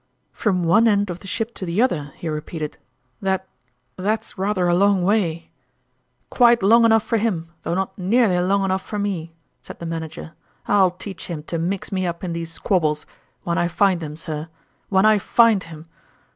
" From one end of the ship to the other," Jpcriobic Dratmnga. 107 lie repeated ;" that that's rather a long way !"" Quite long enough for him , though not nearly long enough for me !" said the Mana ger. " I'll teach him to mix me up in these squabbles, when I find him, sir when I find him!